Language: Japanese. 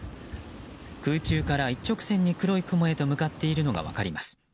空中から一直線に黒い雲へと向かっているのが分かります。